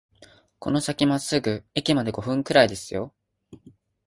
この先まっすぐ、駅まで五分くらいですよ